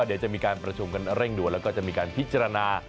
เดี๋ยวจะมีการประชุมกันเร่งด่วนแล้วก็จะมีการพิจารณา